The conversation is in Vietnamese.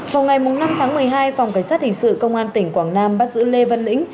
vào ngày năm tháng một mươi hai phòng cảnh sát hình sự công an tỉnh quảng nam bắt giữ lê văn lĩnh